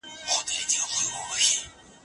که خاوند په ښه کار امر وکړي اطاعت کوئ.